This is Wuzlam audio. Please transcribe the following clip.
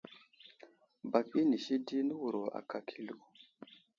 Bak inisi di newuro aka kilo.